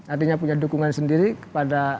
artinya punya dukungan sendiri kepada